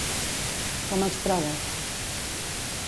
Com els trobes?